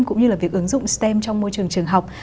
cũng như là việc ứng dụng stem trong môi trường trường học